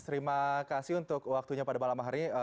terima kasih untuk waktunya pada malam hari